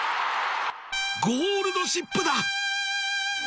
ゴールドシップだ！